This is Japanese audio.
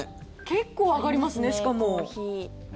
結構上がりますねしかも。